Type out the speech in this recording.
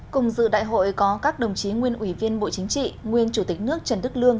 cùng dự đại hội có các đồng chí nguyên ủy viên bộ chính trị nguyên chủ tịch nước trần đức lương